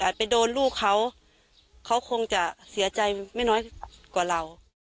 ไปโดนลูกเขาเขาคงจะเสียใจไม่น้อยกว่าเรา